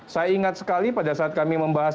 saya ingat sekali pada saat kami membahas